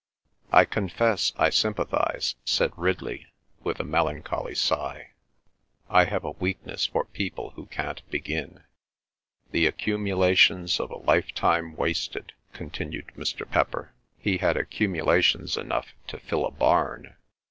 "I confess I sympathise," said Ridley with a melancholy sigh. "I have a weakness for people who can't begin." "... The accumulations of a lifetime wasted," continued Mr. pepper. "He had accumulations enough to fill a barn."